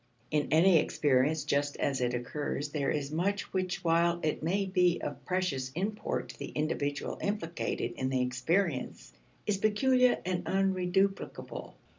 In any experience just as it occurs there is much which, while it may be of precious import to the individual implicated in the experience, is peculiar and unreduplicable.